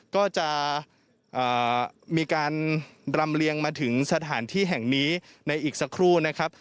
ก็จะมีการรำเลียงมาถึงสถานที่แห่งนี้ในอีกสักครู่นะครับ